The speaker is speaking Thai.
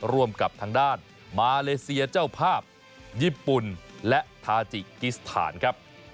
ร่วมกับทางด้านมาเลเซียเจ้าภาพญี่ปุ่นและทาจิกิสถานครับ